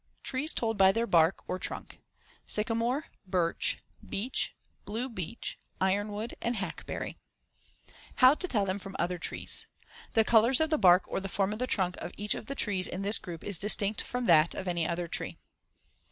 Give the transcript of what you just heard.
TREES TOLD BY THEIR BARK OR TRUNK: SYCAMORE, BIRCH, BEECH, BLUE BEECH, IRONWOOD, AND HACKBERRY How to tell them from other trees: The color of the bark or the form of the trunk of each of the trees in this group is distinct from that of any other tree.